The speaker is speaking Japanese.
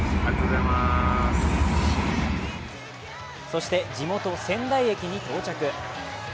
そして地元・仙台駅に到着。